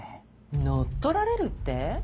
乗っ取られるって？